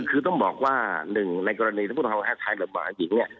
คือต้องบอกว่าหนึ่งในกรณีถ้าผู้ต้องหาชายกับผู้ต้องหาหญิง